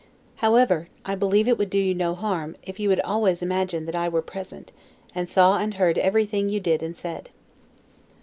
However, I believe it would do you no harm, if you would always imagine that I were present, and saw and heard everything you did and said.